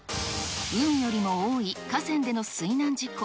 海よりも多い河川での水難事故。